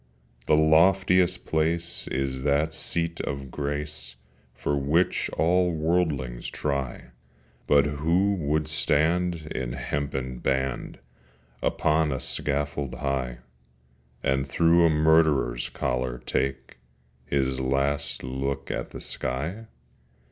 The loftiest place is that seat of grace For which all worldlings try: But who would stand in hempen band Upon a scaffold high, And through a murderer's collar take His last look at the sky?